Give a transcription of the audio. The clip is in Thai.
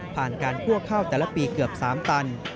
ผ่านการคั่วข้าวแต่ละปีเกือบ๓ตัน